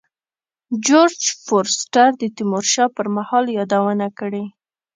جورج فورستر د تیمور شاه پر مهال یادونه کړې.